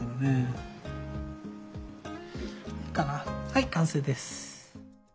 はい完成です！